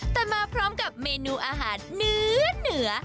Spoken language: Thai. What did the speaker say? แต่มาพร้อมกับเมนูอาหารเนื้อเหนือ